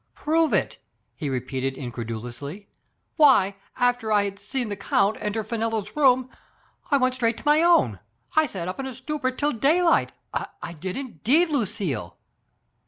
"Prove it!" he repeated incredulously. "Why, after I had seen the count enter Fenella's room, I went straight to my own ; I sat up in a stupor till daylight, I did indeed, Lucille